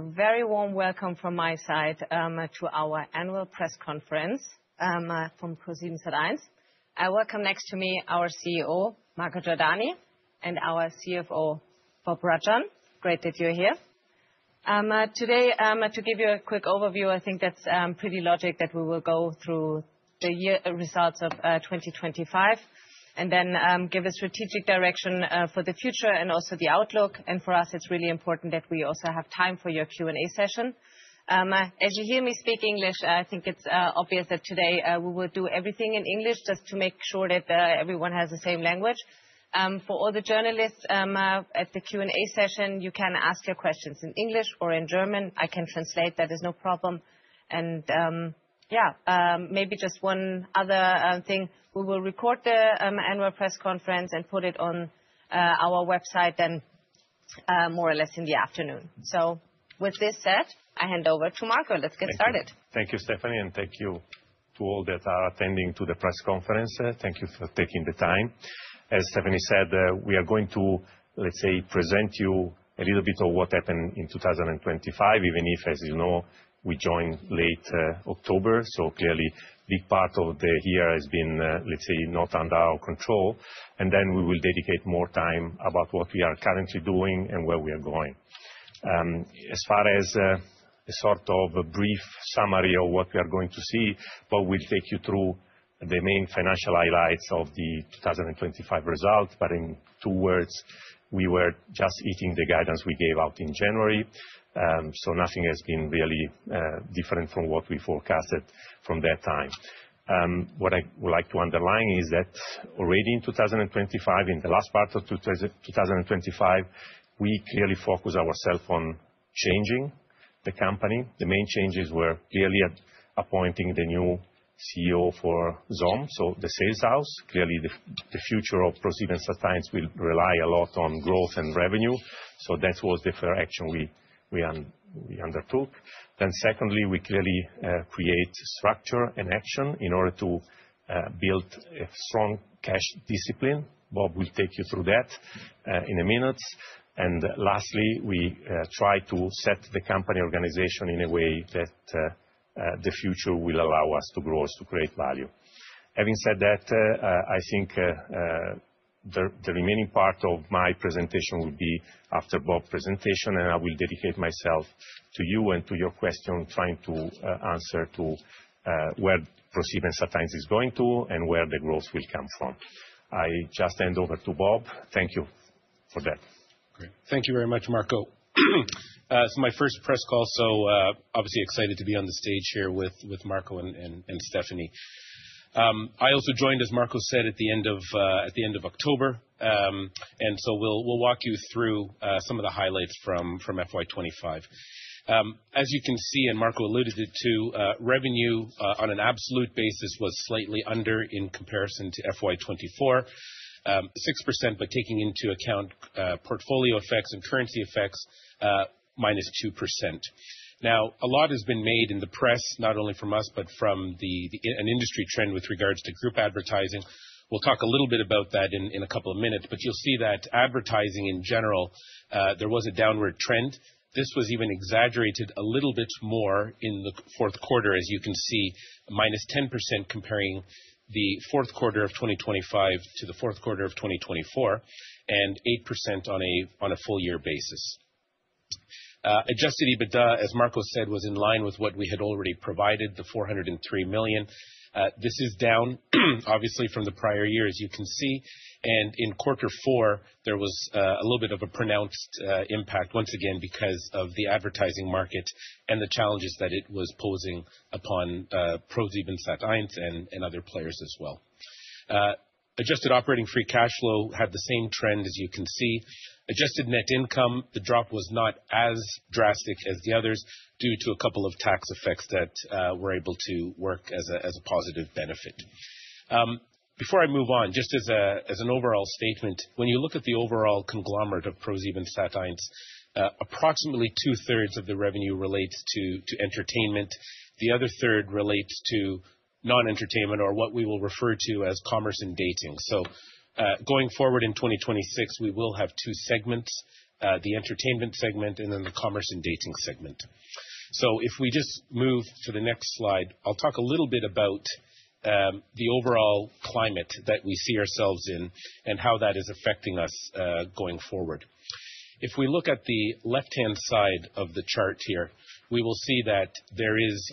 A very warm welcome from my side to our annual press conference from ProSiebenSat.1. I welcome next to me our CEO, Marco Giordani, and our CFO, Bob Rajan. Great that you're here. Today to give you a quick overview, I think that's pretty logical that we will go through the year results of 2025, and then give a strategic direction for the future and also the outlook. For us, it's really important that we also have time for your Q&A session. As you hear me speak English, I think it's obvious that today we will do everything in English just to make sure that everyone has the same language. For all the journalists at the Q&A session, you can ask your questions in English or in German. I can translate, that is no problem. Maybe just one other thing. We will record the annual press conference and put it on our website then, more or less in the afternoon. With this said, I hand over to Marco. Let's get started. Thank you. Thank you, Stephanie, and thank you to all that are attending to the press conference. Thank you for taking the time. As Stephanie said, we are going to, let's say, present you a little bit of what happened in 2025, even if, as you know, we joined late October. Clearly big part of the year has been, let's say, not under our control, and then we will dedicate more time about what we are currently doing and where we are going. As far as, a sort of a brief summary of what we are going to see, Bob will take you through the main financial highlights of the 2025 results. In two words, we were just meeting the guidance we gave out in January. Nothing has been really different from what we forecasted from that time. What I would like to underline is that already in 2025, in the last part of 2025, we clearly focus ourself on changing the company. The main changes were clearly at appointing the new CEO for Seven.One Media, the sales house. Clearly the future of ProSiebenSat.1 will rely a lot on growth and revenue. That was the first action we undertook. Secondly, we clearly create structure and action in order to build a strong cash discipline. Bob will take you through that in a minute. Lastly, we try to set the company organization in a way that the future will allow us to grow, to create value. Having said that, I think the remaining part of my presentation will be after Bob's presentation, and I will dedicate myself to you and to your question, trying to answer to where ProSiebenSat.1 is going to and where the growth will come from. I just hand over to Bob. Thank you for that. Great. Thank you very much, Marco. It's my first press call, so obviously excited to be on the stage here with Marco and Stephanie. I also joined, as Marco said, at the end of October. We'll walk you through some of the highlights from FY 2025. As you can see and Marco alluded to it, revenue on an absolute basis was slightly under in comparison to FY 2024, 6%, but taking into account portfolio effects and currency effects, -2%. Now, a lot has been made in the press, not only from us but from an industry trend with regards to group advertising. We'll talk a little bit about that in a couple of minutes, but you'll see that advertising in general, there was a downward trend. This was even exaggerated a little bit more in the fourth quarter, as you can see, -10% comparing the fourth quarter of 2025 to the fourth quarter of 2024, and 8% on a full year basis. Adjusted EBITDA, as Marco said, was in line with what we had already provided, 403 million. This is down obviously from the prior year, as you can see. In quarter four, there was a little bit of a pronounced impact once again because of the advertising market and the challenges that it was posing upon ProSiebenSat.1 and other players as well. Adjusted operating free cash flow had the same trend as you can see. Adjusted net income, the drop was not as drastic as the others due to a couple of tax effects that were able to work as a positive benefit. Before I move on, just as an overall statement, when you look at the overall conglomerate of ProSiebenSat.1, approximately two-thirds of the revenue relates to entertainment. The other third relates to non-entertainment or what we will refer to as commerce and dating. Going forward in 2026, we will have two segments, the Entertainment segment and then the Commerce and Dating segment. If we just move to the next slide, I'll talk a little bit about the overall climate that we see ourselves in and how that is affecting us going forward. If we look at the left-hand side of the chart here, we will see that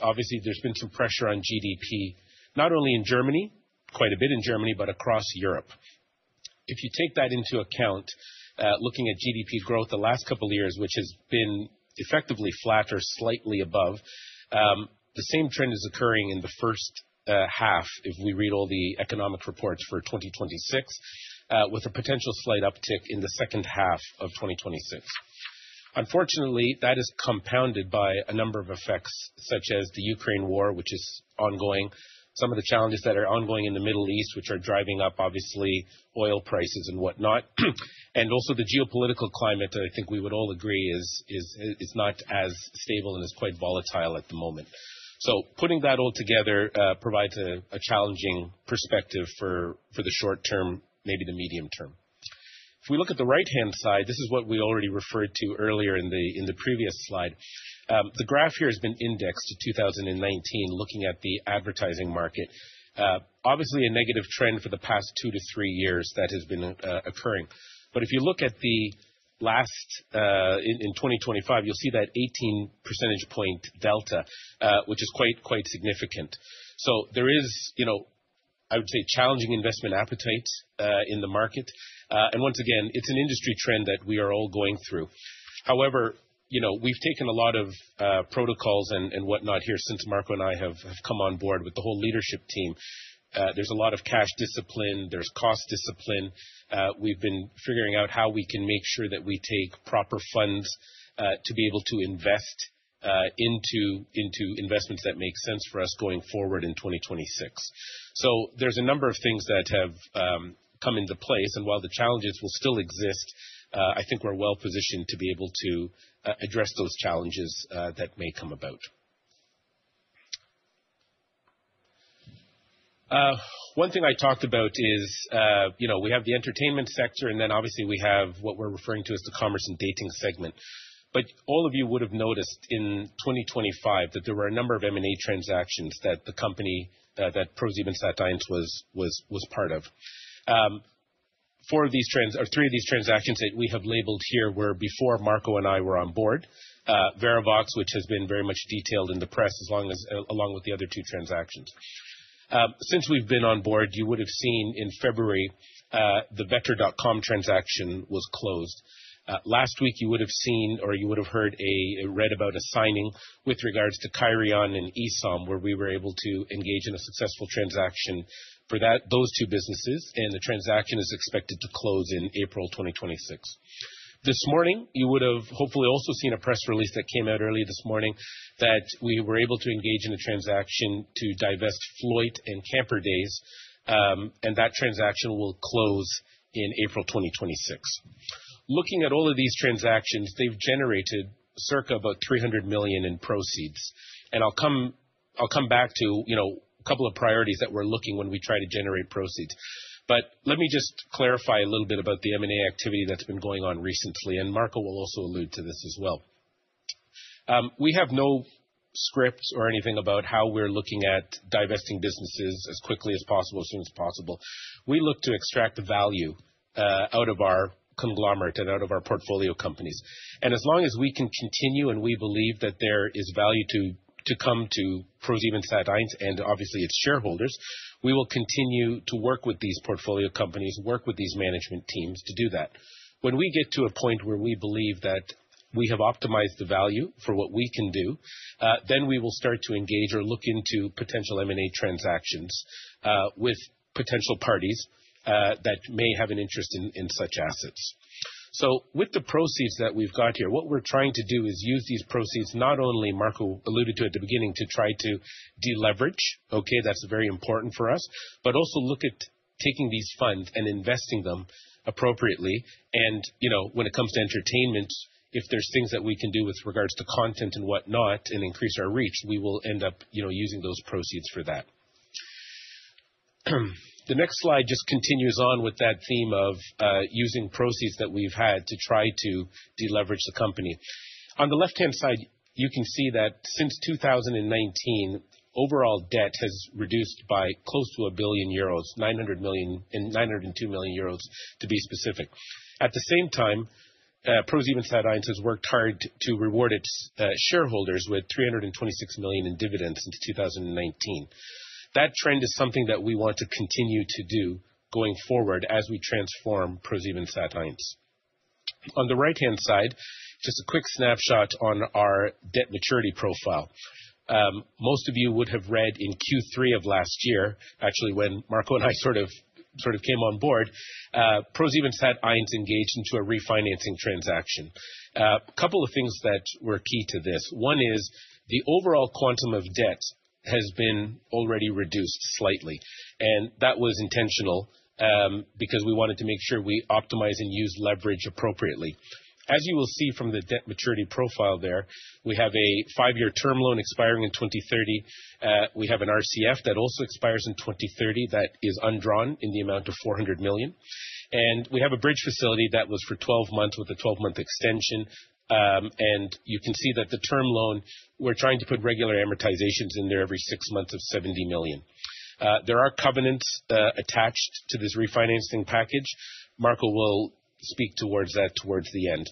obviously, there's been some pressure on GDP, not only in Germany, quite a bit in Germany, but across Europe. If you take that into account, looking at GDP growth the last couple of years, which has been effectively flat or slightly above, the same trend is occurring in the first half if we read all the economic reports for 2026, with a potential slight uptick in the second half of 2026. Unfortunately, that is compounded by a number of effects, such as the Ukraine war, which is ongoing, some of the challenges that are ongoing in the Middle East, which are driving up obviously oil prices and whatnot. Also the geopolitical climate that I think we would all agree is not as stable and is quite volatile at the moment. Putting that all together provides a challenging perspective for the short term, maybe the medium term. If we look at the right-hand side, this is what we already referred to earlier in the previous slide. The graph here has been indexed to 2019 looking at the advertising market. Obviously a negative trend for the past two to three years that has been occurring. If you look at the last in 2025, you'll see that 18 percentage point delta, which is quite significant. There is, you know, I would say, challenging investment appetite in the market. Once again, it's an industry trend that we are all going through. However, you know, we've taken a lot of protocols and whatnot here since Marco and I have come on board with the whole leadership team. There's a lot of cash discipline. There's cost discipline. We've been figuring out how we can make sure that we take proper funds to be able to invest into investments that make sense for us going forward in 2026. There's a number of things that have come into place, and while the challenges will still exist, I think we're well positioned to be able to address those challenges that may come about. One thing I talked about is, you know, we have the entertainment sector, and then obviously we have what we're referring to as the commerce and dating segment. All of you would have noticed in 2025 that there were a number of M&A transactions that the company, that ProSiebenSat.1 was part of. Three of these transactions that we have labeled here were before Marco and I were on board. Verivox, which has been very much detailed in the press along with the other two transactions. Since we've been on board, you would have seen in February the vector.com transaction was closed. Last week, you would have seen or you would have heard or read about a signing with regards to Kairion and esome, where we were able to engage in a successful transaction for those two businesses, and the transaction is expected to close in April 2026. This morning, you would have hopefully also seen a press release that came out early this morning that we were able to engage in a transaction to divest flaconi and CamperDays, and that transaction will close in April 2026. Looking at all of these transactions, they've generated circa about 300 million in proceeds. I'll come back to, you know, a couple of priorities that we're looking when we try to generate proceeds. Let me just clarify a little bit about the M&A activity that's been going on recently, and Marco will also allude to this as well. We have no scripts or anything about how we're looking at divesting businesses as quickly as possible, as soon as possible. We look to extract the value out of our conglomerate and out of our portfolio companies. As long as we can continue and we believe that there is value to come to ProSiebenSat.1 and obviously its shareholders, we will continue to work with these portfolio companies, work with these management teams to do that. When we get to a point where we believe that we have optimized the value for what we can do, then we will start to engage or look into potential M&A transactions with potential parties that may have an interest in such assets. With the proceeds that we've got here, what we're trying to do is use these proceeds not only Marco alluded to at the beginning to try to deleverage, okay? That's very important for us. Also look at taking these funds and investing them appropriately. You know, when it comes to entertainment, if there's things that we can do with regards to content and whatnot and increase our reach, we will end up, you know, using those proceeds for that. The next slide just continues on with that theme of using proceeds that we've had to try to deleverage the company. On the left-hand side, you can see that since 2019, overall debt has reduced by close to 1 billion euros, 902 million euros, to be specific. At the same time, ProSiebenSat.1 has worked hard to reward its shareholders with 326 million in dividends since 2019. That trend is something that we want to continue to do going forward as we transform ProSiebenSat.1. On the right-hand side, just a quick snapshot on our debt maturity profile. Most of you would have read in Q3 of last year, actually, when Marco and I sort of came on board, ProSiebenSat.1 engaged into a refinancing transaction. A couple of things that were key to this. One is the overall quantum of debt has been already reduced slightly, and that was intentional, because we wanted to make sure we optimize and use leverage appropriately. As you will see from the debt maturity profile there, we have a five-year term loan expiring in 2030. We have an RCF that also expires in 2030 that is undrawn in the amount of 400 million. We have a bridge facility that was for 12 months with a 12-month extension. You can see that the term loan, we're trying to put regular amortizations in there every six months of 70 million. There are covenants attached to this refinancing package. Marco will speak to that towards the end.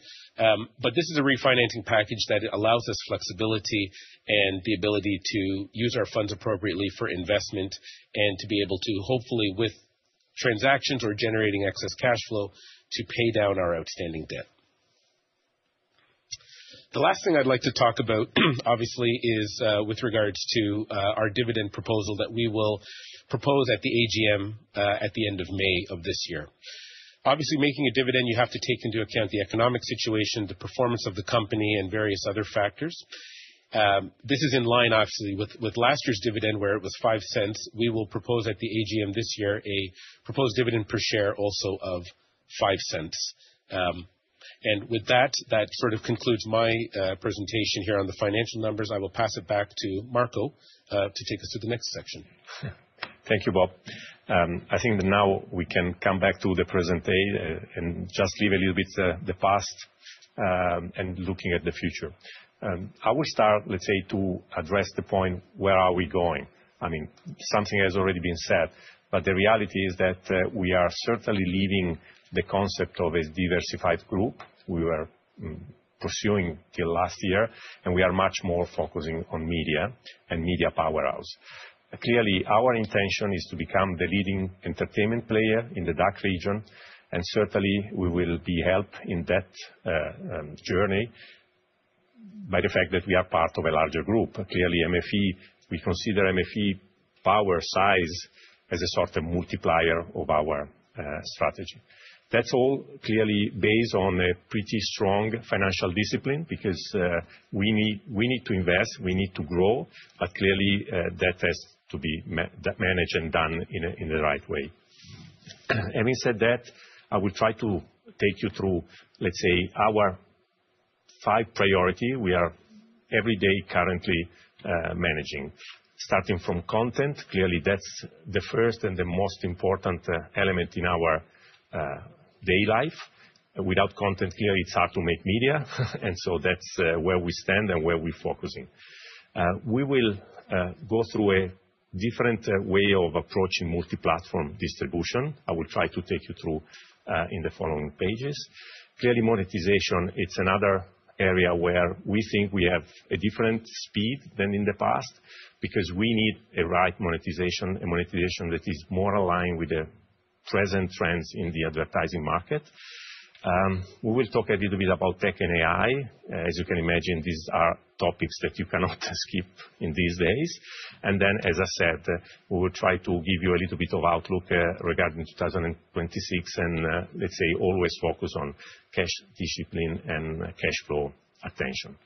This is a refinancing package that allows us flexibility and the ability to use our funds appropriately for investment and to be able to, hopefully, with transactions or generating excess cash flow, to pay down our outstanding debt. The last thing I'd like to talk about obviously is with regards to our dividend proposal that we will propose at the AGM at the end of May of this year. Obviously, making a dividend, you have to take into account the economic situation, the performance of the company, and various other factors. This is in line, obviously, with last year's dividend, where it was 0.05. We will propose at the AGM this year a proposed dividend per share also of 0.05. With that sort of concludes my presentation here on the financial numbers. I will pass it back to Marco, to take us to the next section. Thank you, Bob. I think that now we can come back to the present day and just leave a little bit, the past, and looking at the future. I will start, let's say, to address the point, where are we going? I mean, something has already been said, but the reality is that, we are certainly leaving the concept of a diversified group we were pursuing till last year, and we are much more focusing on media and media powerhouse. Clearly, our intention is to become the leading entertainment player in the DACH region, and certainly we will be helped in that, journey by the fact that we are part of a larger group. Clearly, MFE, we consider MFE powerhouse as a sort of multiplier of our, strategy. That's all clearly based on a pretty strong financial discipline because we need to invest, we need to grow, but clearly, that has to be managed and done in the right way. Having said that, I will try to take you through, let's say, our five priority we are every day currently managing. Starting from content, clearly, that's the first and the most important element in our daily life. Without content, clearly, it's hard to make media, and so that's where we stand and where we're focusing. We will go through a different way of approaching multi-platform distribution. I will try to take you through in the following pages. Clearly, monetization, it's another area where we think we have a different speed than in the past because we need a right monetization, a monetization that is more aligned with the present trends in the advertising market. We will talk a little bit about tech and AI. As you can imagine, these are topics that you cannot skip in these days. As I said, we will try to give you a little bit of outlook, regarding 2026, and let's say always focus on cash discipline and cash flow attention.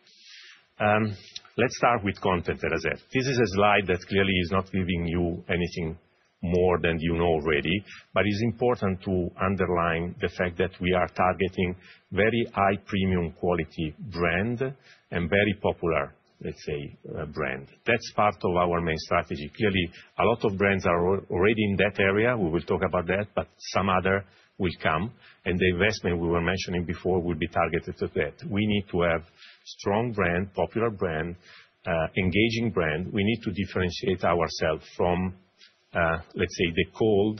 Let's start with content that I said. This is a slide that clearly is not giving you anything more than you know already, but it's important to underline the fact that we are targeting very high premium quality brand and very popular, let's say, brand. That's part of our main strategy. Clearly, a lot of brands are already in that area. We will talk about that, but some other will come, and the investment we were mentioning before will be targeted to that. We need to have strong brand, popular brand, engaging brand. We need to differentiate ourselves from, let's say, the cold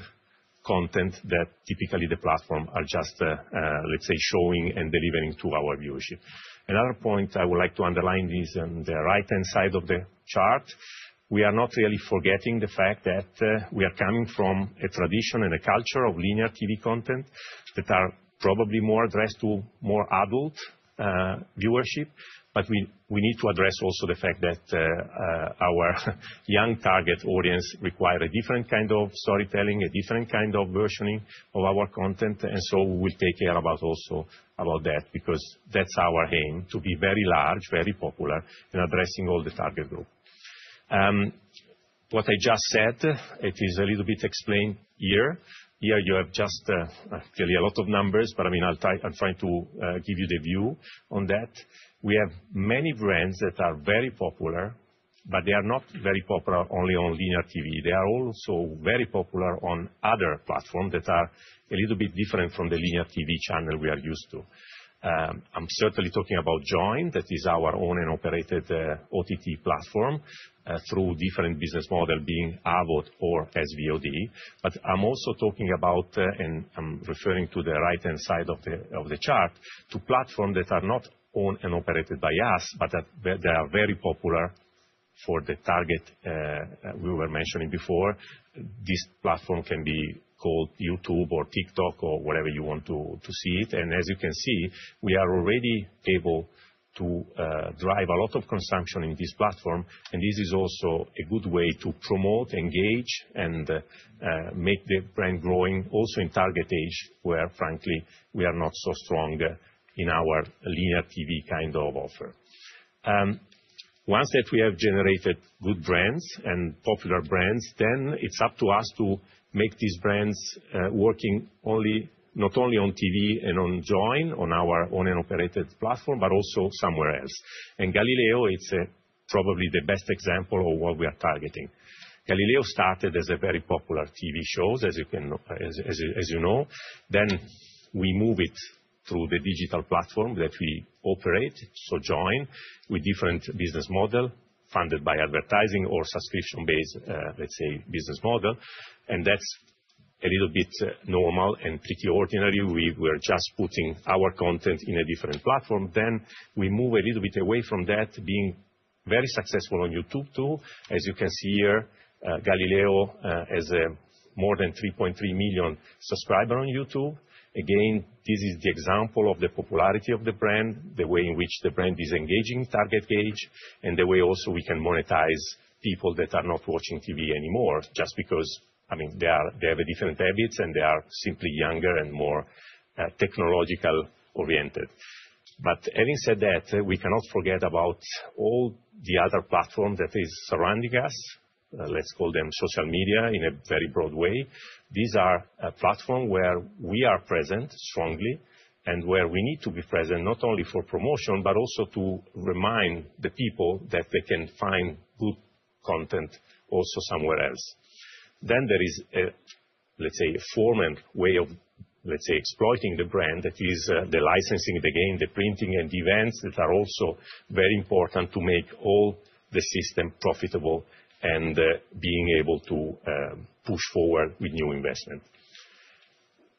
content that typically the platform are just, let's say, showing and delivering to our viewership. Another point I would like to underline is on the right-hand side of the chart. We are not really forgetting the fact that we are coming from a tradition and a culture of linear TV content that are probably more addressed to more adult viewership, but we need to address also the fact that our young target audience require a different kind of storytelling, a different kind of versioning of our content, and so we take care also about that because that's our aim, to be very large, very popular in addressing all the target group. What I just said, it is a little bit explained here. Here you have just clearly a lot of numbers, but I mean, I'm trying to give you the view on that. We have many brands that are very popular, but they are not very popular only on linear TV. They are also very popular on other platforms that are a little bit different from the linear TV channel we are used to. I'm certainly talking about Joyn. That is our own and operated OTT platform through different business model being AVOD or SVOD. I'm also talking about, and I'm referring to the right-hand side of the chart, to platforms that are not owned and operated by us, but that they are very popular for the target we were mentioning before. This platform can be called YouTube or TikTok or whatever you want to see it. As you can see, we are already able to drive a lot of consumption in this platform, and this is also a good way to promote, engage, and make the brand growing also in target age, where frankly, we are not so strong in our linear TV kind of offer. Once that we have generated good brands and popular brands, then it's up to us to make these brands working only, not only on TV and on Joyn, on our own and operated platform, but also somewhere else. Galileo, it's probably the best example of what we are targeting. Galileo started as a very popular TV shows, as you know. We move it through the digital platform that we operate, so Joyn, with different business model funded by advertising or subscription-based, let's say, business model, and that's a little bit normal and pretty ordinary. We were just putting our content in a different platform. We move a little bit away from that being very successful on YouTube too. As you can see here, Galileo has more than 3.3 million subscribers on YouTube. Again, this is the example of the popularity of the brand, the way in which the brand is engaging target age, and the way also we can monetize people that are not watching TV anymore just because, I mean, they are, they have a different habits, and they are simply younger and more, technological oriented. Having said that, we cannot forget about all the other platforms that is surrounding us. Let's call them social media in a very broad way. These are a platform where we are present strongly, and where we need to be present, not only for promotion, but also to remind the people that they can find good content also somewhere else. There is a, let's say, a formal way of, let's say, exploiting the brand. That is, the licensing, the game, the printing and events that are also very important to make all the system profitable and, being able to, push forward with new investment.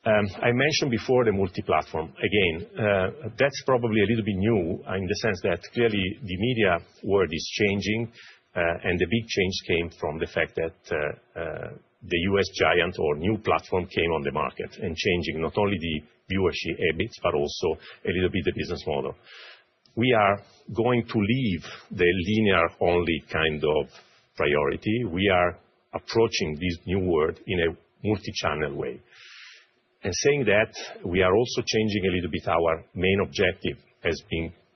I mentioned before the multi-platform, again, that's probably a little bit new in the sense that clearly the media world is changing, and the big change came from the fact that, the U.S. giant or new platform came on the market. Changing not only the viewership habits, but also a little bit the business model. We are going to leave the linear only kind of priority. We are approaching this new world in a multi-channel way. In saying that, we are also changing a little bit our main objective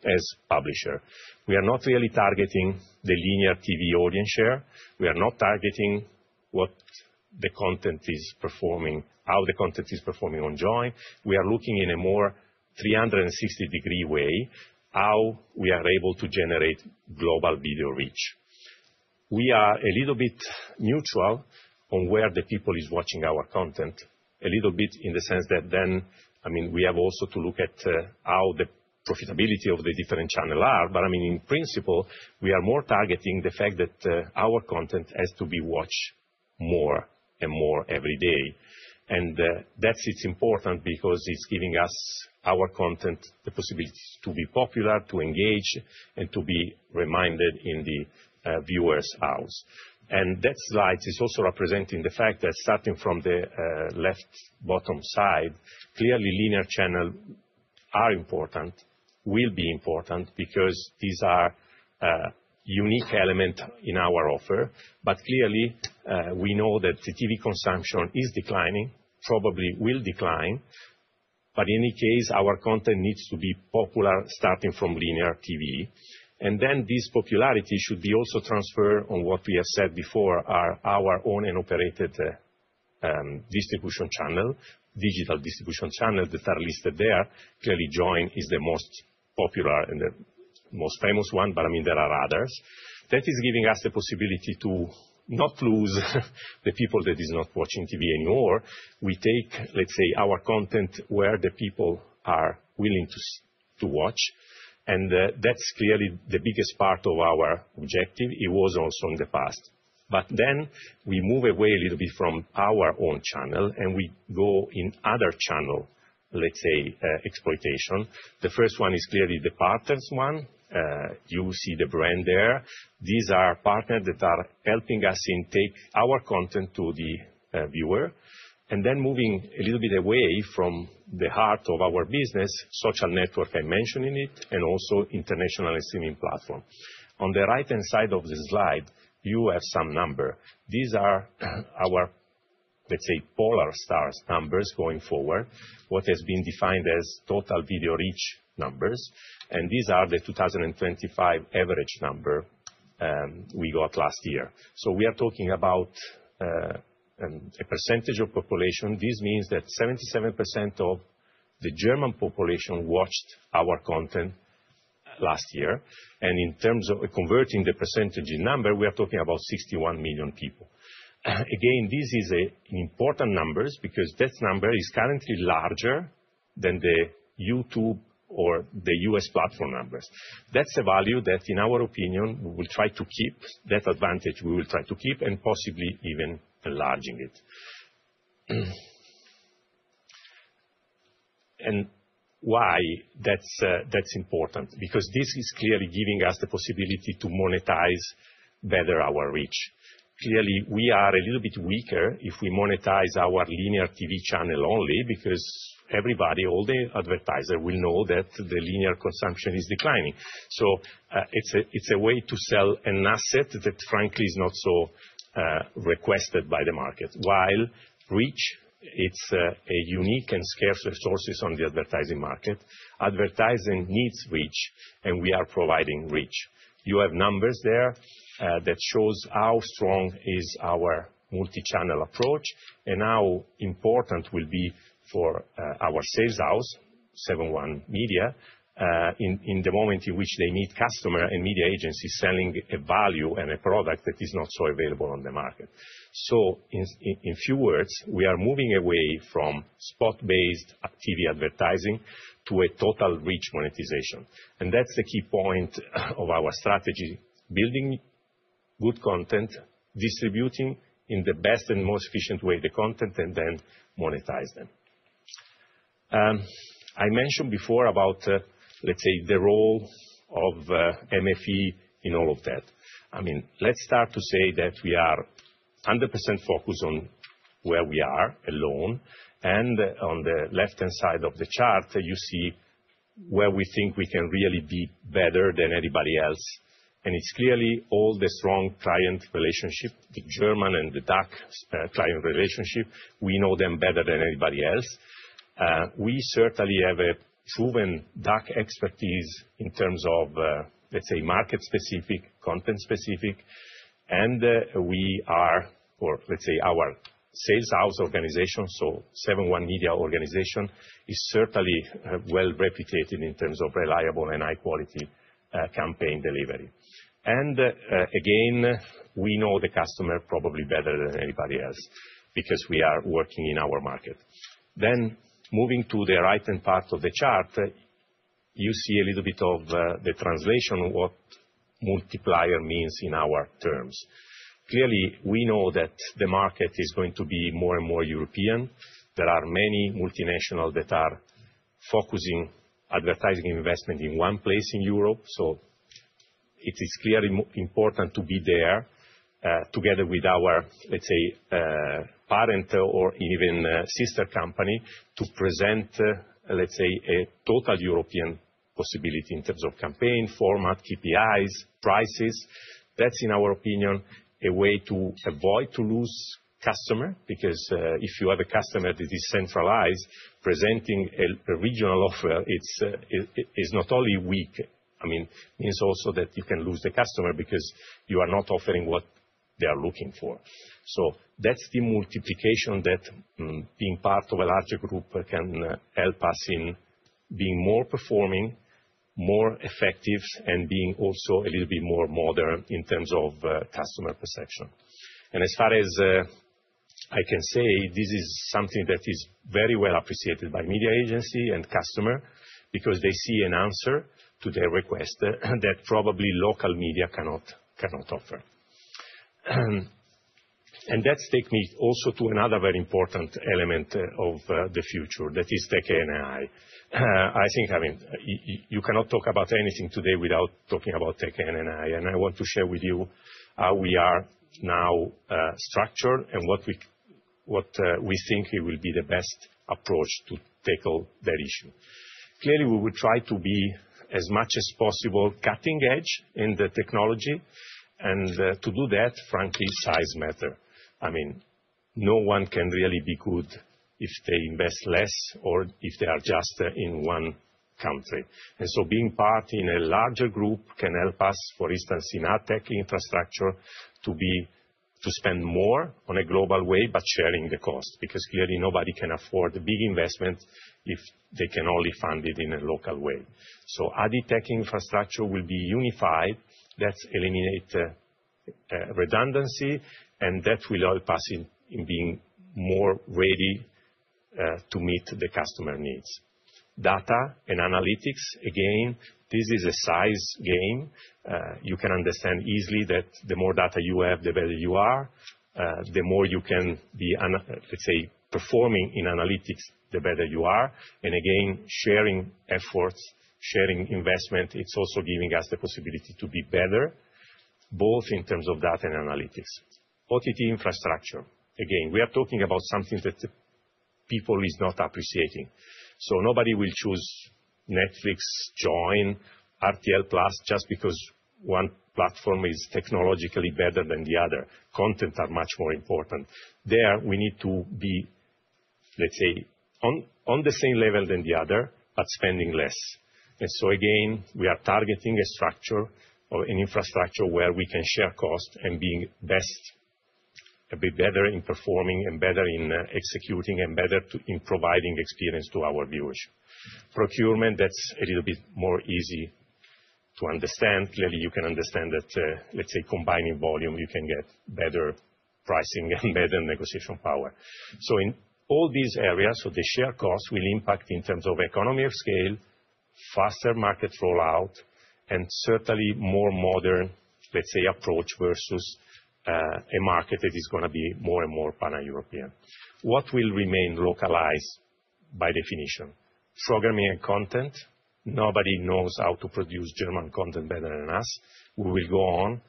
as publisher. We are not really targeting the linear TV audience share. We are not targeting how the content is performing on Joyn. We are looking in a more 360 degree way, how we are able to generate global video reach. We are a little bit neutral on where the people is watching our content. A little bit in the sense that then, I mean, we have also to look at how the profitability of the different channel are. But I mean, in principle, we are more targeting the fact that our content has to be watched more and more every day. That it's important because it's giving us, our content, the possibility to be popular, to engage, and to be reminded in the viewer's house. That slide is also representing the fact that starting from the left bottom side, clearly linear channel are important, will be important, because these are unique element in our offer. We know that the TV consumption is declining, probably will decline, but in any case, our content needs to be popular, starting from linear TV. This popularity should be also transferred on what we have said before, are our owned and operated distribution channel, digital distribution channels that are listed there. Clearly Joyn is the most popular and the most famous one, but I mean, there are others. That is giving us the possibility to not lose the people that is not watching TV anymore. We take, let's say, our content, where the people are willing to to watch, and that's clearly the biggest part of our objective. It was also in the past. We move away a little bit from our own channel and we go in other channel, let's say, exploitation. The first one is clearly the partners one. You see the brand there. These are partners that are helping us to take our content to the viewer. Then moving a little bit away from the heart of our business, social network, I mentioned in it, and also international and streaming platform. On the right-hand side of the slide, you have some number. These are our, let's say, polestars numbers going forward, what has been defined as total video reach numbers, and these are the 2025 average number we got last year. We are talking about a percentage of population. This means that 77% of the German population watched our content last year. In terms of converting the percentage in number, we are talking about 61 million people. Again, this is an important number because that number is currently larger than the YouTube or the U.S. platform numbers. That's a value that, in our opinion, we will try to keep. That advantage we will try to keep and possibly even enlarging it. Why that's important, because this is clearly giving us the possibility to monetize better our reach. Clearly, we are a little bit weaker if we monetize our linear TV channel only because everybody, all the advertiser will know that the linear consumption is declining. It's a way to sell an asset that frankly, is not so requested by the market. While reach, it's a unique and scarce resources on the advertising market. Advertising needs reach, and we are providing reach. You have numbers there that shows how strong is our multi-channel approach and how important will be for our sales house, Seven.One Media, in few words, we are moving away from spot-based TV advertising to a total reach monetization. That's the key point of our strategy, building good content, distributing in the best and most efficient way, the content, and then monetize them. I mentioned before about, let's say the role of MFE in all of that. I mean, let's start to say that we are 100% focused on where we are strong. On the left-hand side of the chart, you see where we think we can really be better than anybody else. It's clearly all the strong client relationship, the German and the DACH client relationship. We know them better than anybody else. We certainly have a proven DACH expertise in terms of, let's say, market specific, content specific, and, we are, or let's say our sales house organization, so Seven.One Media organization, is certainly well-replicated in terms of reliable and high quality campaign delivery. Again, we know the customer probably better than anybody else because we are working in our market. Moving to the right-hand part of the chart, you see a little bit of the translation, what multiplier means in our terms. Clearly, we know that the market is going to be more and more European. There are many multinationals that are focusing advertising investment in one place in Europe, so it is clearly more important to be there, together with our, let's say, parent or even sister company to present, let's say, a total European possibility in terms of campaign format, KPIs, prices. That's, in our opinion, a way to avoid losing customers because if you have a customer that is centralized, presenting a regional offer, it is not only weak. I mean, it means also that you can lose the customer because you are not offering what they are looking for. That's the multiplication that being part of a larger group can help us in being more performing, more effective and being also a little bit more modern in terms of customer perception. As far as I can say, this is something that is very well appreciated by media agency and customer because they see an answer to their request that probably local media cannot offer. That takes me also to another very important element of the future, that is tech and AI. I think, I mean, you cannot talk about anything today without talking about tech and AI, and I want to share with you how we are now structured and what we think it will be the best approach to tackle that issue. Clearly, we will try to be, as much as possible, cutting edge in the technology, and to do that, frankly, size matters. I mean, no one can really be good if they invest less or if they are just in one country. Being part in a larger group can help us, for instance, in our tech infrastructure to spend more on a global way, but sharing the cost because clearly nobody can afford a big investment if they can only fund it in a local way. Our tech infrastructure will be unified. That eliminates redundancy, and that will help us in being more ready to meet the customer needs. Data and analytics, again, this is a size game. You can understand easily that the more data you have, the better you are. The more you can be, let's say, performing in analytics, the better you are. Again, sharing efforts, sharing investment, it's also giving us the possibility to be better, both in terms of data and analytics. OTT infrastructure, again, we are talking about something that people is not appreciating. Nobody will choose Netflix, Joyn, RTL+ just because one platform is technologically better than the other. Content are much more important. There we need to be, let's say, on the same level than the other, but spending less. Again, we are targeting a structure or an infrastructure where we can share costs and being best, a bit better in performing and better in executing and better in providing experience to our viewers. Procurement, that's a little bit more easy to understand. Clearly, you can understand that, let's say combining volume, you can get better pricing and better negotiation power. In all these areas, so the share cost will impact in terms of economies of scale, faster market rollout, and certainly more modern, let's say, approach versus a market that is gonna be more and more pan-European. What will remain localized by definition? Programming and content. Nobody knows how to produce German content better than us. We will go on.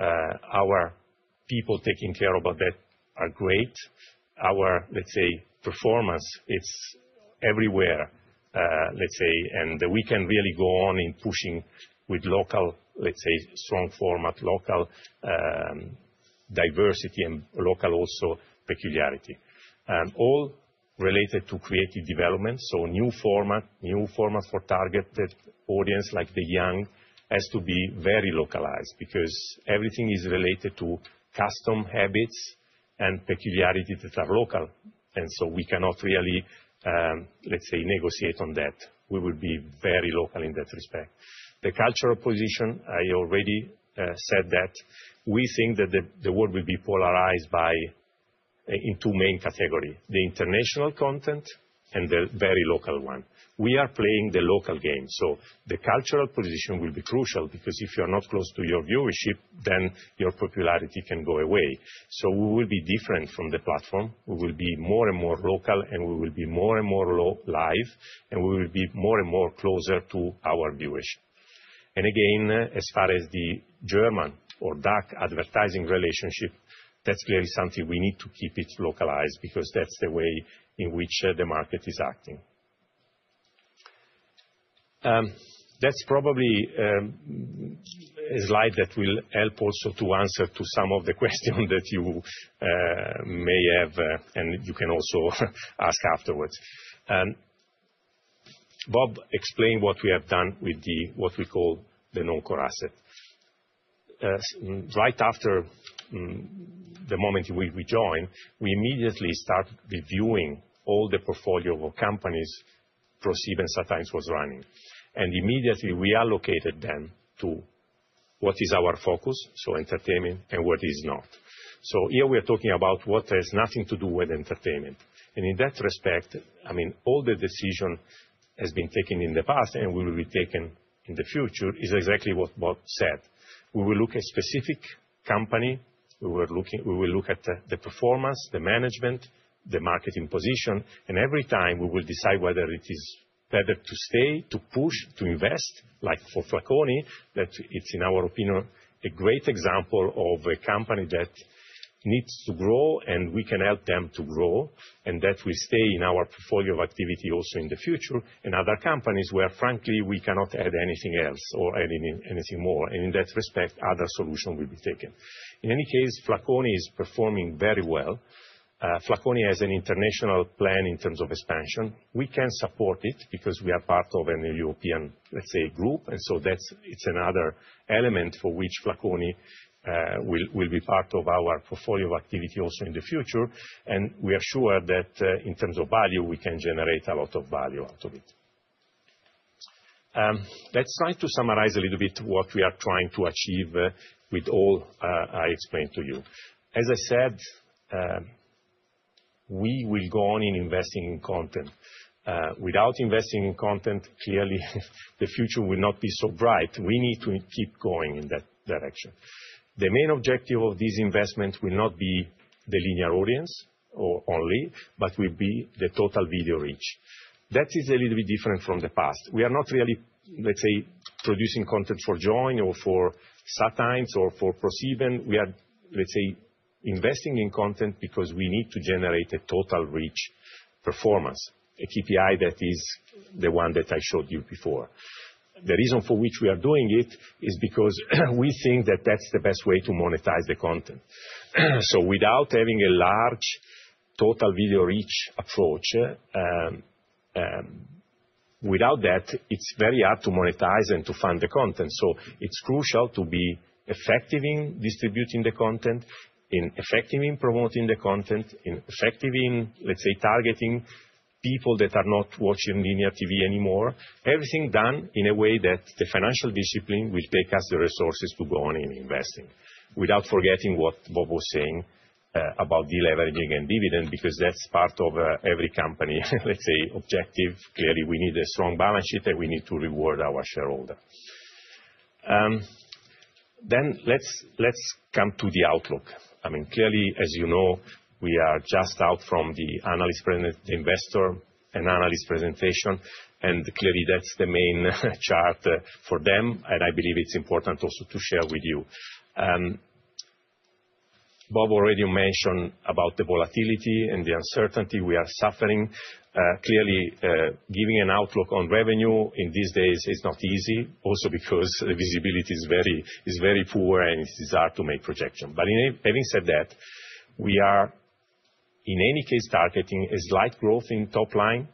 Our people taking care about that are great. Our, let's say, performance, it's everywhere, let's say, and we can really go on in pushing with local, let's say, strong format, local, diversity and local also peculiarity. All related to creative development, so new format, new formats for targeted audience like the young, has to be very localized because everything is related to consumer habits and peculiarities that are local. We cannot really, let's say, negotiate on that. We will be very local in that respect. The cultural position, I already said that we think that the world will be polarized by, in two main category, the international content and the very local one. We are playing the local game, the cultural position will be crucial because if you're not close to your viewership, then your popularity can go away. We will be different from the platform. We will be more and more local, and we will be more and more live, and we will be more and more closer to our viewers. Again, as far as the German or DACH advertising relationship, that's clearly something we need to keep it localized because that's the way in which the market is acting. That's probably a slide that will help also to answer to some of the questions that you may have, and you can also ask afterwards. Bob explained what we have done with what we call the non-core asset. Right after the moment we joined, we immediately start reviewing all the portfolio of companies ProSiebenSat.1 was running. Immediately reallocated them to what is our focus, so entertainment, and what is not. Here we are talking about what has nothing to do with entertainment. In that respect, I mean, all the decision has been taken in the past and will be taken in the future, is exactly what Bob said. We will look at specific company, we will look at the performance, the management, the marketing position, and every time we will decide whether it is better to stay, to push, to invest, like for flaconi, that it's in our opinion, a great example of a company that needs to grow, and we can help them to grow, and that will stay in our portfolio of activity also in the future, and other companies where frankly, we cannot add anything else or add anything more. In that respect, other solution will be taken. In any case, flaconi is performing very well. Flaconi has an international plan in terms of expansion. We can support it because we are part of an European, let's say, group, and so it's another element for which flaconi will be part of our portfolio of activity also in the future. We are sure that, in terms of value, we can generate a lot of value out of it. Let's try to summarize a little bit what we are trying to achieve with all I explained to you. As I said, we will go on in investing in content. Without investing in content, clearly, the future will not be so bright. We need to keep going in that direction. The main objective of this investment will not be the linear audience or only, but will be the total video reach. That is a little bit different from the past. We are not really, let's say, producing content for Joyn or for SAT.1 or for ProSieben. We are, let's say, investing in content because we need to generate a total video reach performance, a KPI that is the one that I showed you before. The reason for which we are doing it is because we think that that's the best way to monetize the content. Without having a large total video reach approach, without that, it's very hard to monetize and to fund the content. It's crucial to be effective in distributing the content, effective in promoting the content, effective in, let's say, targeting people that are not watching linear TV anymore. Everything done in a way that the financial discipline will take us the resources to go on in investing. Without forgetting what Bob was saying about deleveraging and dividend, because that's part of every company, let's say, objective. Clearly, we need a strong balance sheet, and we need to reward our shareholder. Let's come to the outlook. I mean, clearly, as you know, we are just out from the analyst and investor presentation, and clearly, that's the main chart for them. I believe it's important also to share with you. Bob already mentioned about the volatility and the uncertainty we are suffering. Clearly, giving an outlook on revenue in these days is not easy, also because the visibility is very poor, and it is hard to make projection. Having said that, we are, in any case, targeting a slight growth in top line.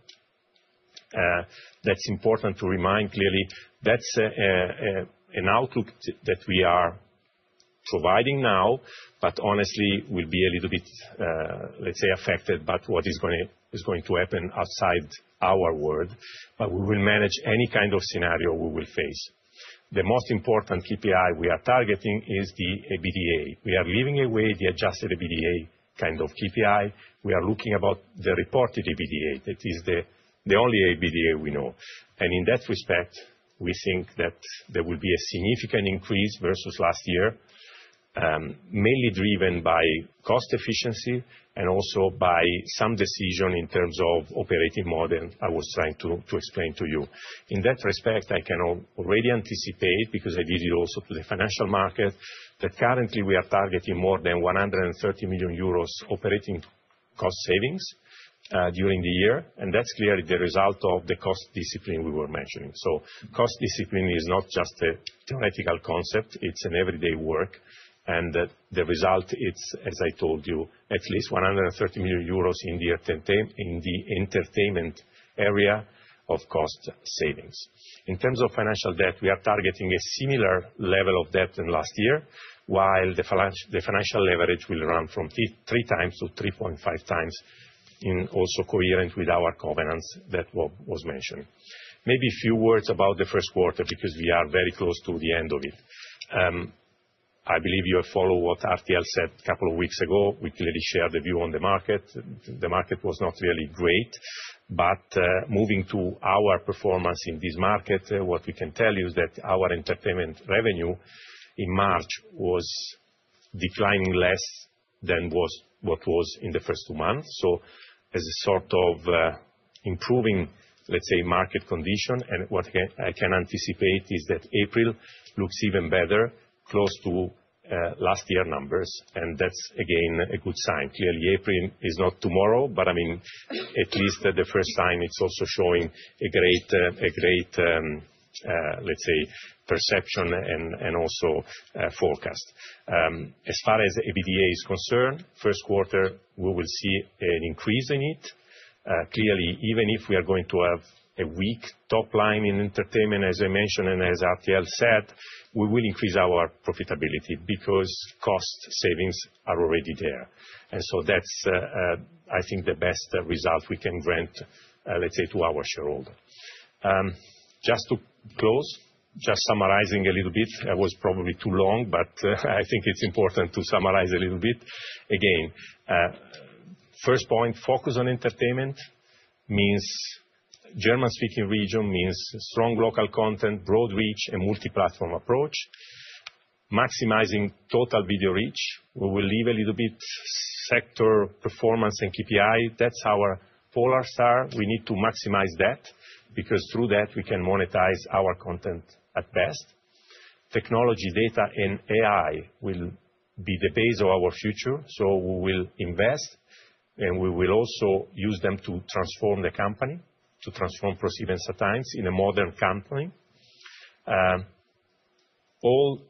That's important to remind. Clearly, that's an outlook that we are providing now, but honestly, we'll be a little bit, let's say, affected by what is going to happen outside our world. We will manage any kind of scenario we will face. The most important KPI we are targeting is the EBITDA. We are leaving away the adjusted EBITDA kind of KPI. We are looking at the reported EBITDA. That is the only EBITDA we know. In that respect, we think that there will be a significant increase versus last year, mainly driven by cost efficiency and also by some decision in terms of operating model I was trying to explain to you. In that respect, I can already anticipate, because I give you also to the financial market, that currently we are targeting more than 130 million euros operating cost savings during the year, and that's clearly the result of the cost discipline we were mentioning. Cost discipline is not just a theoretical concept, it's an everyday work, and the result is, as I told you, at least 130 million euros in the entertainment area of cost savings. In terms of financial debt, we are targeting a similar level of debt than last year, while the financial leverage will run from three times to 3.5x in also coherent with our covenants that Bob was mentioning. Maybe a few words about the first quarter, because we are very close to the end of it. I believe you have followed what RTL said a couple of weeks ago. We clearly share the view on the market. The market was not really great. Moving to our performance in this market, what we can tell you is that our entertainment revenue in March was declining less than what was in the first two months. As a sort of improving, let's say, market condition, and what I can anticipate is that April looks even better, close to last year numbers, and that's again a good sign. Clearly, April is not tomorrow, but I mean at least at the first sign, it's also showing a great perception and also forecast. As far as the EBITDA is concerned, first quarter, we will see an increase in it. Clearly, even if we are going to have a weak top line in entertainment, as I mentioned, and as RTL said, we will increase our profitability because cost savings are already there. That's, I think the best result we can grant, let's say, to our shareholder. Just to close, summarizing a little bit, I was probably too long, but I think it's important to summarize a little bit. Again, first point, focus on entertainment means German-speaking region, means strong local content, broad reach, and multi-platform approach. Maximizing total video reach. We will leverage a little bit sector performance and KPIs. That's our polar star. We need to maximize that, because through that, we can monetize our content at best. Technology data and AI will be the base of our future, so we will invest, and we will also use them to transform the company, to transform ProSiebenSat.1 in a modern company. All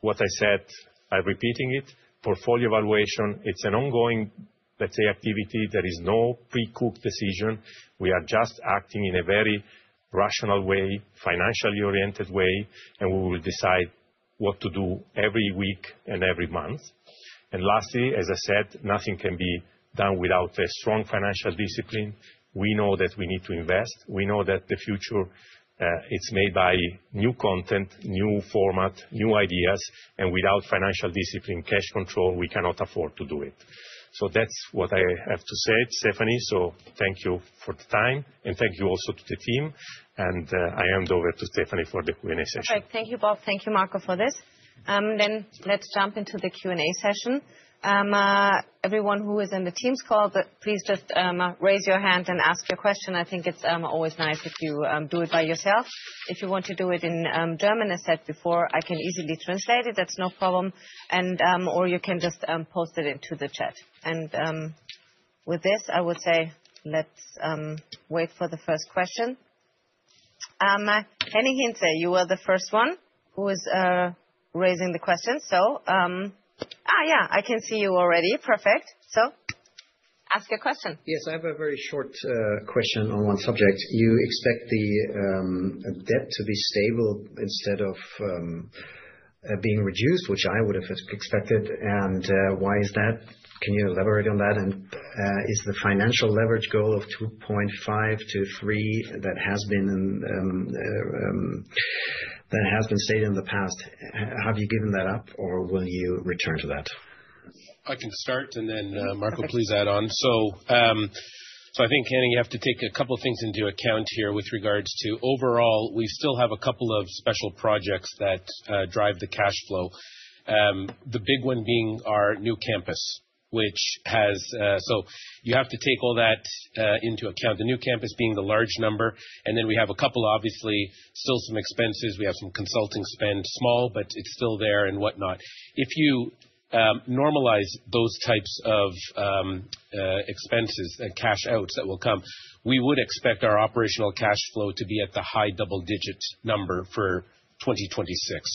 what I said, I'm repeating it. Portfolio evaluation, it's an ongoing, let's say, activity. There is no pre-cooked decision. We are just acting in a very rational way, financially oriented way, and we will decide what to do every week and every month. Lastly, as I said, nothing can be done without a strong financial discipline. We know that we need to invest. We know that the future is made by new content, new format, new ideas, and without financial discipline, cash control, we cannot afford to do it. That's what I have to say, Stephanie. Thank you for the time, and thank you also to the team. I hand over to Stephanie for the Q&A session. Okay. Thank you, Bob. Thank you, Marco, for this. Let's jump into the Q&A session. Everyone who is in the Teams call, but please just raise your hand and ask your question. I think it's always nice if you do it by yourself. If you want to do it in German, as said before, I can easily translate it. That's no problem. Or you can just post it into the chat. With this, I would say let's wait for the first question. Henning Hinze, you are the first one who is raising the question. Yeah, I can see you already. Perfect. Ask your question. Yes. I have a very short question on one subject. You expect the debt to be stable instead of being reduced, which I would have expected. Why is that? Can you elaborate on that? Is the financial leverage goal of 2.5 to three that has been stated in the past, have you given that up or will you return to that? I can start and then. Okay. Marco, please add on. I think, Henning, you have to take a couple things into account here with regards to overall, we still have a couple of special projects that drive the cash flow. The big one being our new campus, which has you have to take all that into account, the new campus being the large number, and then we have a couple, obviously, still some expenses. We have some consulting spend. Small, but it's still there and whatnot. If you normalize those types of expenses and cash outs that will come, we would expect our operational cash flow to be at the high double-digit number for 2026.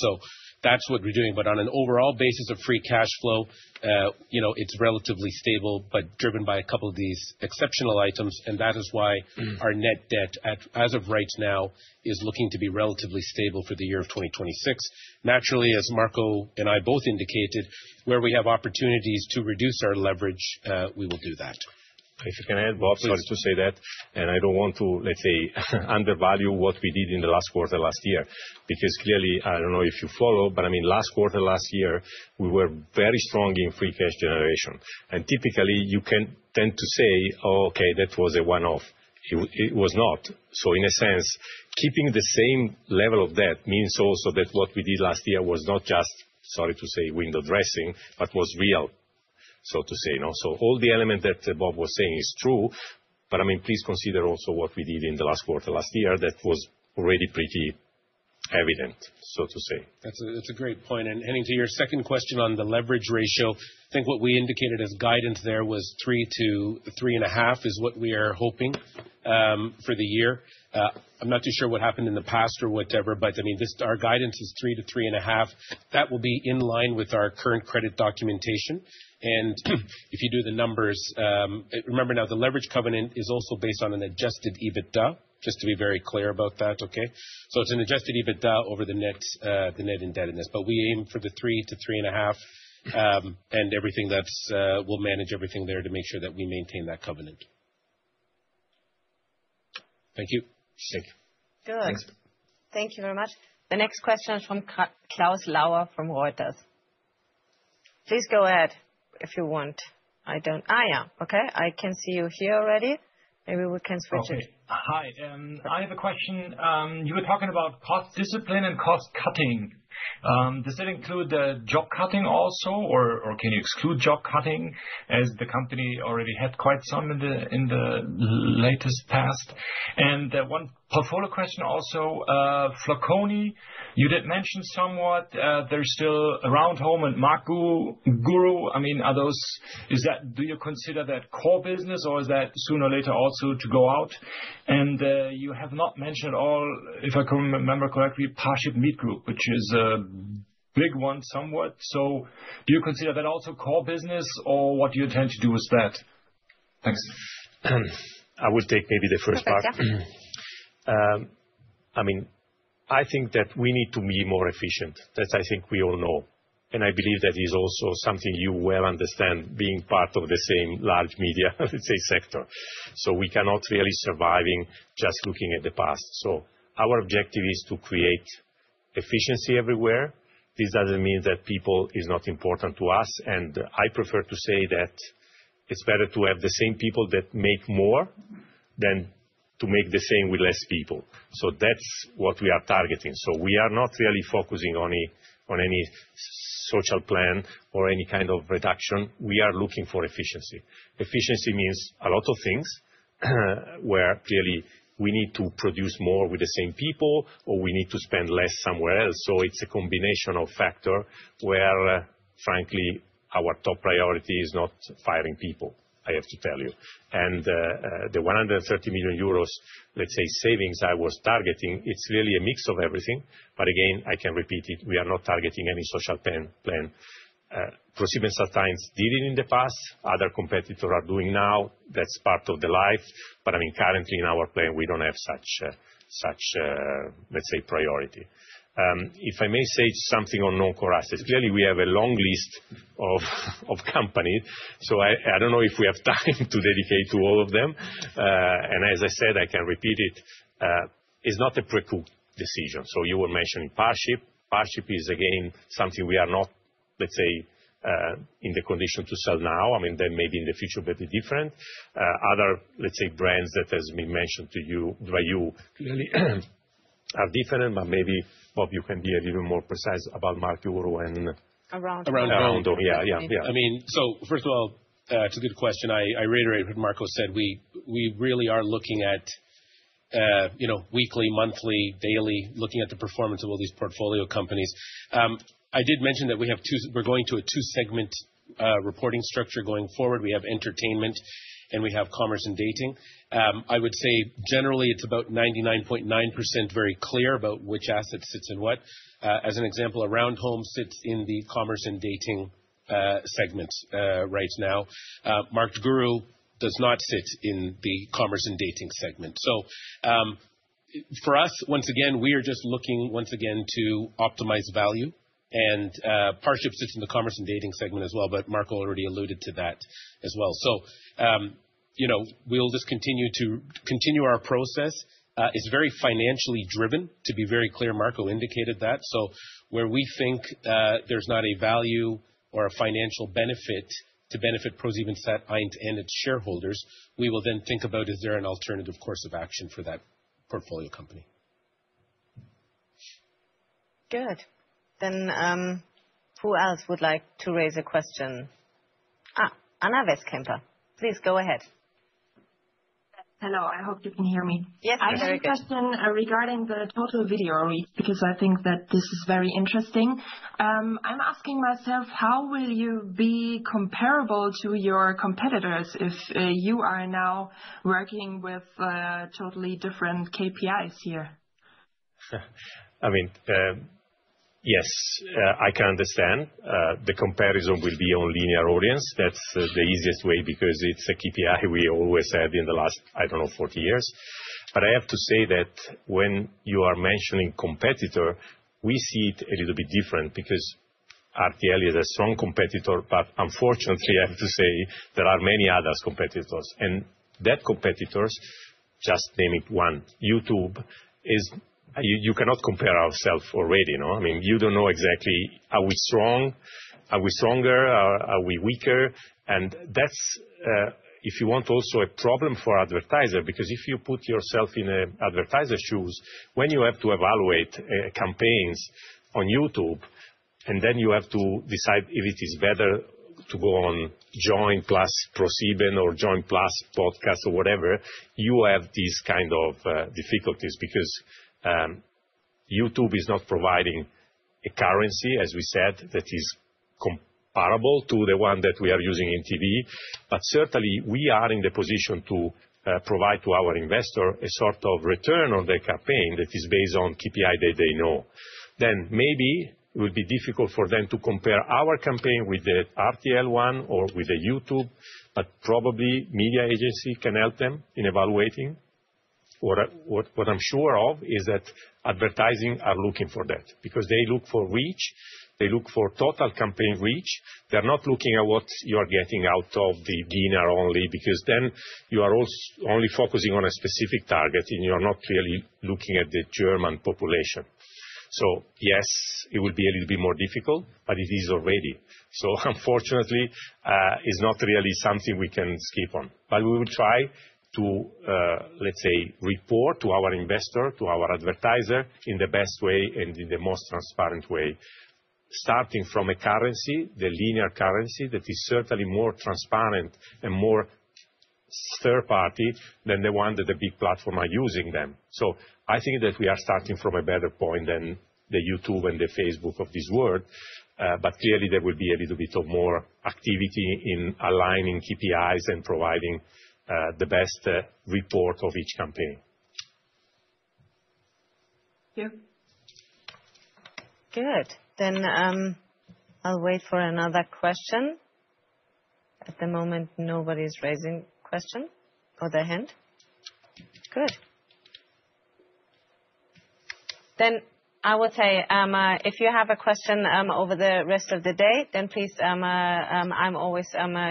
That's what we're doing. On an overall basis of free cash flow, you know, it's relatively stable but driven by a couple of these exceptional items, and that is why. Mm. Our net debt, as of right now, is looking to be relatively stable for the year of 2026. Naturally, as Marco and I both indicated, where we have opportunities to reduce our leverage, we will do that. If I can add, Bob. Please. Sorry to say that, and I don't want to, let's say, undervalue what we did in the last quarter last year. Because clearly, I don't know if you follow, but I mean, last quarter, last year, we were very strong in free cash generation. Typically, you can tend to say, "Oh, okay, that was a one-off." It was not. So in a sense, keeping the same level of debt means also that what we did last year was not just, sorry to say, window dressing, but was real, so to say, you know. So all the elements that Bob was saying are true, but I mean, please consider also what we did in the last quarter last year that was already pretty evident, so to say. That's a great point. Henning, to your second question on the leverage ratio, I think what we indicated as guidance there was three to 3.5 is what we are hoping for the year. I'm not too sure what happened in the past or whatever, but I mean, our guidance is three and 3.5. That will be in line with our current credit documentation. If you do the numbers, remember now the leverage covenant is also based on an adjusted EBITDA, just to be very clear about that, okay? It's an adjusted EBITDA over the net, the net indebtedness. We aim for the three to 3.5, and everything we'll manage everything there to make sure that we maintain that covenant. Thank you. Good. Thanks. Thank you very much. The next question is from Klaus Lauer from Reuters. Please go ahead. If you want, Aya, okay, I can see you here already. Maybe we can switch it. Okay. Hi, I have a question. You were talking about cost discipline and cost-cutting. Does it include job cutting also, or can you exclude job cutting, as the company already had quite some in the latest past? One portfolio question also, flaconi, you did mention somewhat, they're still Aroundhome and Marktguru. I mean, are those, is that, do you consider that core business, or is that sooner or later also to go out? You have not mentioned at all, if I can remember correctly, ParshipMeet Group, which is a big one somewhat. Do you consider that also core business, or what do you intend to do with that? Thanks. I would take maybe the first part. I mean, I think that we need to be more efficient. That I think we all know. I believe that is also something you well understand being part of the same large media, let's say, sector. We cannot really survive just looking at the past. Our objective is to create efficiency everywhere. This doesn't mean that people is not important to us. I prefer to say that it's better to have the same people that make more than to make the same with less people. That's what we are targeting. We are not really focusing on any social plan or any kind of reduction. We are looking for efficiency. Efficiency means a lot of things, where clearly we need to produce more with the same people, or we need to spend less somewhere else. It's a combination of factors, where frankly, our top priority is not firing people, I have to tell you. The 130 million euros, let's say, savings I was targeting, it's really a mix of everything. Again, I can repeat it, we are not targeting any social plan. ProSiebenSat.1 did it in the past, other competitors are doing now. That's part of the life. I mean, currently in our plan, we don't have such, let's say, priority. If I may say something on non-core assets. Clearly, we have a long list of companies. I don't know if we have time to dedicate to all of them. As I said, I can repeat it. It's not a pre-cooked decision. You were mentioning Parship. Parship is again something we are not, let's say, in the condition to sell now. I mean, then maybe in the future will be different. Other, let's say, brands that has been mentioned to you by you clearly are different, but maybe Bob you can be even more precise about Marktguru and- Aroundhome. Aroundhome. Yeah, yeah. I mean, first of all, it's a good question. I reiterate what Marco said. We really are looking at, you know, weekly, monthly, daily, looking at the performance of all these portfolio companies. I did mention that we're going to a two-segment reporting structure going forward. We have entertainment and we have commerce and dating. I would say generally it's about 99.9% very clear about which asset sits in what. As an example, Aroundhome sits in the commerce and dating segments right now. Marktguru does not sit in the commerce and dating segment. For us, once again, we are just looking, once again, to optimize value. Parship sits in the commerce and dating segment as well, but Marco already alluded to that as well. You know, we'll just continue to our process. It's very financially driven, to be very clear, Marco indicated that. Where we think there's not a value or a financial benefit to ProSiebenSat.1 and its shareholders, we will then think about is there an alternative course of action for that portfolio company? Good. Who else would like to raise a question? Anna Westkämper. Please, go ahead. Hello, I hope you can hear me. Yes, very good. I have a question regarding the total video reach, because I think that this is very interesting. I'm asking myself, how will you be comparable to your competitors if you are now working with totally different KPIs here? Sure. I mean, yes, I can understand the comparison will be on linear audience. That's the easiest way because it's a KPI we always had in the last, I don't know, 40 years. I have to say that when you are mentioning competitor, we see it a little bit different because RTL is a strong competitor, but unfortunately, I have to say there are many others competitors. That competitors, just naming one, YouTube, is. You cannot compare ourselves already, you know. I mean, you don't know exactly are we strong, are we stronger, are we weaker? That's also, if you want, a problem for an advertiser, because if you put yourself in an advertiser's shoes, when you have to evaluate campaigns on YouTube, and then you have to decide if it is better to go on Joyn plus ProSieben or Joyn plus podcast or whatever, you will have these kind of difficulties because YouTube is not providing a currency, as we said, that is comparable to the one that we are using in TV. Certainly, we are in the position to provide to our advertiser a sort of return on the campaign that is based on KPI that they know. Maybe it would be difficult for them to compare our campaign with the RTL+ or with the YouTube, but probably media agency can help them in evaluating. What I'm sure of is that advertisers are looking for that because they look for reach, they look for total campaign reach. They're not looking at what you are getting out of the linear only because then you are also only focusing on a specific target and you are not really looking at the German population. Yes, it will be a little bit more difficult, but it is already. Unfortunately, it's not really something we can escape on. But we will try to, let's say, report to our investor, to our advertiser in the best way and in the most transparent way, starting from a currency, the linear currency that is certainly more transparent and more third party than the one that the big platforms are using. I think that we are starting from a better point than the YouTube and the Facebook of this world, but clearly there will be a little bit of more activity in aligning KPIs and providing the best report of each campaign. Thank you. Good. I'll wait for another question. At the moment, nobody's asking a question or raising their hand. Good. I would say, if you have a question over the rest of the day, please, I'm always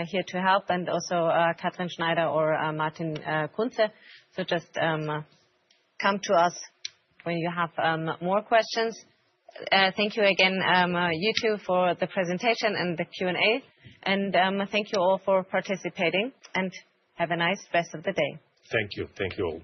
here to help, and also Kathrin Schneider or Martin Kunze. Just come to us when you have more questions. Thank you again, you two, for the presentation and the Q&A. Thank you all for participating, and have a nice rest of the day. Thank you. Thank you all.